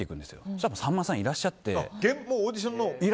そうしたらさんまさんがいらっしゃって。